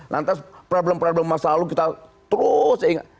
lantas problem problem masa lalu kita terus ya ingat